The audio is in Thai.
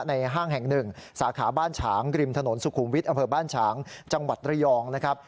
ห้างแห่งหนึ่งสาขาบ้านฉางริมถนนสุขุมวิทย์อำเภอบ้านฉางจังหวัดระยองนะครับ